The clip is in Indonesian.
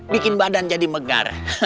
bikin badan jadi megar